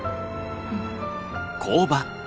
うん。